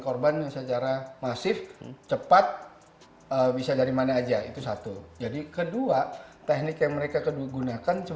korban yang secara masif cepat bisa dari mana aja itu satu jadi kedua teknik yang mereka gunakan